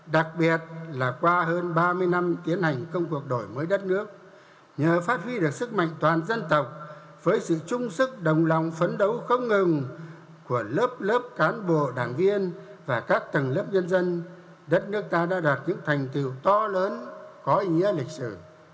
đặc biệt là qua hơn ba mươi năm tiến hành công cuộc đổi mới đất nước nhờ phát huy được sức mạnh toàn dân tộc với sự trung sức đồng lòng phấn đấu không ngừng của lớp lớp cán bộ đảng viên và các tầng lớp nhân dân đất nước ta đã đạt những thành tựu to lớn có ý nghĩa lịch sử